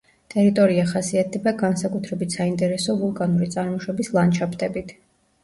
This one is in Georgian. ტერიტორია ხასიათდება განსაკუთრებით საინტერესო ვულკანური წარმოშობის ლანდშაფტებით.